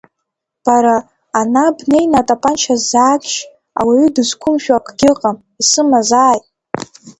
Бара, ана бнеины атапанча сзаагшь, ауаҩы дызқәымшәо акгьы ыҟам, исымазааит.